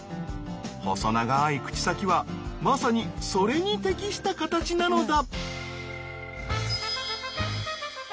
細長い口先はまさにそれに適した形なのだ。